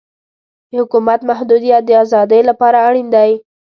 د حکومت محدودیت د ازادۍ لپاره اړین دی.